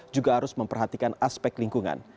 juga harus memperhatikan aspek lingkungan